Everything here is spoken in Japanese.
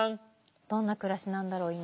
どんな暮らしなんだろう今。